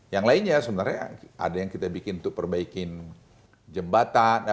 yang lainnya sebenarnya ada yang kita bikin untuk perbaikin jembatan